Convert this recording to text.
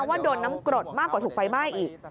ว่าโดนน้ำกรดมากกว่าถูกไฟไหม้อีก